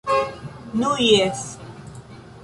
Nu, jes.